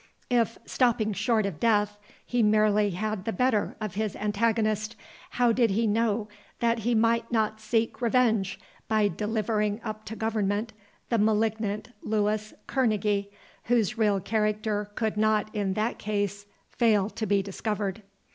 If, stopping short of death, he merely had the better of his antagonist, how did he know that he might not seek revenge by delivering up to government the malignant Louis Kerneguy, whose real character could not in that case fail to be discovered?